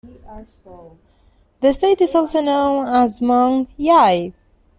The state is also known as Mong Yai.